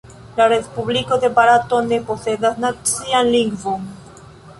La Respubliko de Barato ne posedas nacian lingvon.